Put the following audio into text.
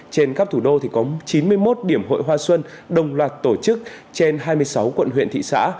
trên khắp thủ đô thì có chín mươi một điểm hội hoa xuân đồng loạt tổ chức trên hai mươi sáu quận huyện thị xã